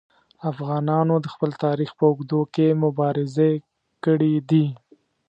افغانانو د خپل تاریخ په اوږدو کې مبارزې کړي دي.